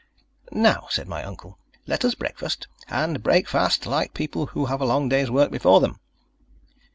"Now," said my uncle, "let us breakfast, and break fast like people who have a long day's work before them."